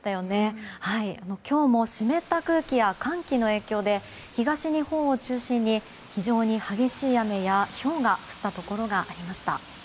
今日も湿った空気や寒気の影響で東日本を中心に非常に激しい雨やひょうが降ったところがありました。